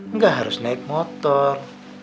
nggak harus naik motor